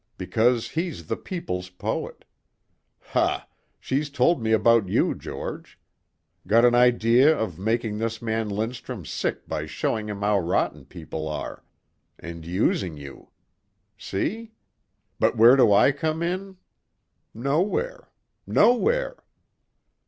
Because he's the people's poet. Ha, she's told me about you, George. Got an idea of making this man Lindstrum sick by showing him how rotten people are. And using you. See? But where do I come in? Nowhere ... nowhere.